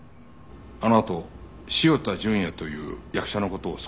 あのあと潮田純哉という役者の事を少し調べてみた。